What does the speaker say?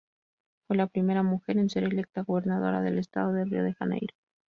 Fue la primera mujer en ser electa gobernadora del estado de Río de Janeiro.